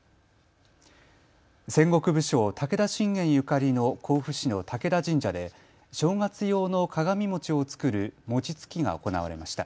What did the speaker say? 戦国武将、武田信玄ゆかりの甲府市の武田神社で正月用の鏡餅を作る餅つきが行われました。